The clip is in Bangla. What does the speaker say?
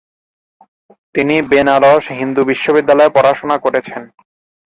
তিনি বেনারস হিন্দু বিশ্ববিদ্যালয়ে পড়াশোনা করেছেন।